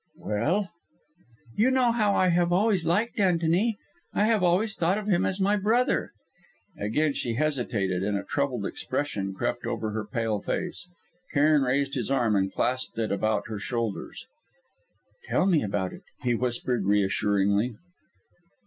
"Well?" "You know how I have always liked Antony? I have always thought of him as my brother." Again she hesitated, and a troubled expression crept over her pale face. Cairn raised his arm and clasped it about her shoulders. "Tell me all about it," he whispered reassuringly.